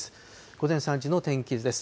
午前３時の天気図です。